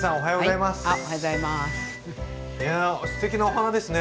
いやすてきなお花ですね。